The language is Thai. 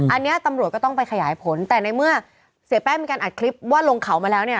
อันนี้ตำรวจก็ต้องไปขยายผลแต่ในเมื่อเสียแป้งมีการอัดคลิปว่าลงเขามาแล้วเนี่ย